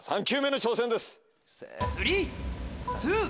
３球目の挑戦です。